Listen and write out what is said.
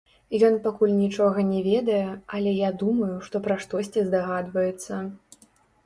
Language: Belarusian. Ён пакуль нічога не ведае, але я думаю, што пра штосьці здагадваецца.